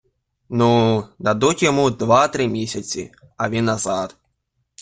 - Ну, дадуть йому два-три місяці, а він назад...